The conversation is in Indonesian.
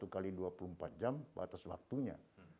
satu x dua puluh empat jam batas waktunya